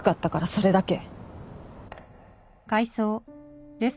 それだけ。